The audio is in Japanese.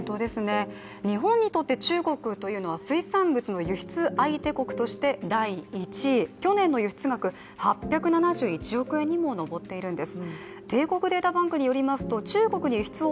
日本にとって中国というのは水産物の輸出相手国として第１位、去年の輸出額８７１億円にも上っているんです。